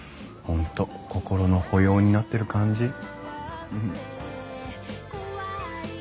本当心の保養になってる感じ。